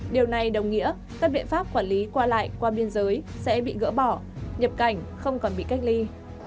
điều này đồng nghĩa các biện pháp quản lý qua lại qua biên giới sẽ bị gỡ bỏ nhập cảnh không còn bị cách ly